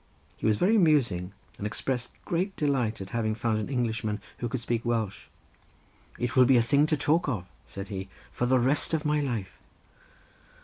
He was very amusing and expressed great delight at having found an Englishman who could speak Welsh. "It will be a thing to talk of," said he, "for the rest of my life."